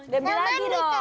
demi lagi dong